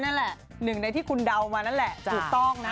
นั่นแหละหนึ่งในที่คุณเดามานั่นแหละถูกต้องนะ